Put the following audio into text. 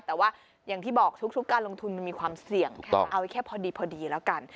แต่ว่าอย่างที่บอกทุกการลงทุนมันมีความเสี่ยงเอาแค่พอดีแล้วกัน